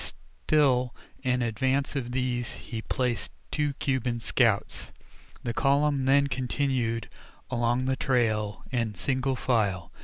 Still in advance of these he placed two Cuban scouts. The column then continued along the trail in single file.